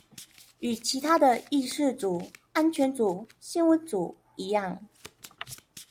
與其他的議事組安全組新聞組一樣